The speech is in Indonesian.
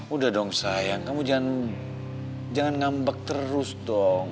udah dong sayang kamu jangan ngambek terus dong